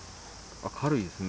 あっ、軽いですね。